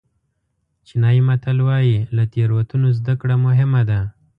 چینایي متل وایي له تېروتنو زده کړه مهم ده.